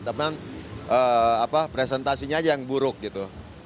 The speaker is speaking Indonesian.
tapi presentasinya aja yang buruk gitu